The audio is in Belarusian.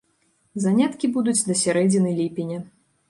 Заняткі будуць да сярэдзіны ліпеня.